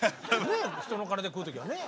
ねえ人の金で食う時はね。